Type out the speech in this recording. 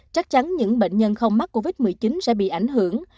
chắc chắn những bệnh nhân không mắc covid một mươi chín sẽ bị ảnh hưởng